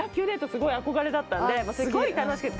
すごい憧れだったんですごい楽しくて。